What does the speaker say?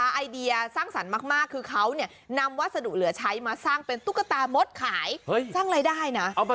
ไอเดียสร้างสรรค์มากคือเขานำวัสดุเหลือใช้มาสร้างเป็นตุ๊กตามดขาย